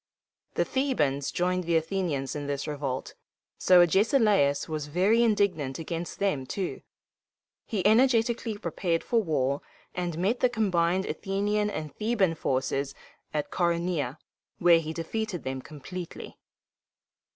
The Thebans joined the Athenians in this revolt, so Agesilaus was very indignant against them too. He energetically prepared for war, and met the combined Athenian and Theban forces at Coronea, where he defeated them completely.